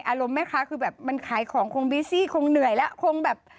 แม่ค้าคือแบบมันขายของคงบีซี่คงเหนื่อยแล้วคงแบบ